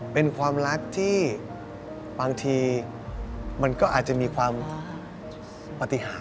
เป็นความรักที่บางทีมันก็อาจจะมีความปฏิหาร